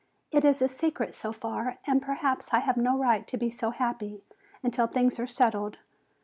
"It is a secret so far and perhaps I have no right to be so happy until things are settled.